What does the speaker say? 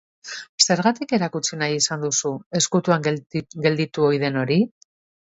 Zergatik erakutsi nahi izan duzu ezkutuan gelditu ohi den hori?